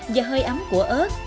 và hơi ấm của ớt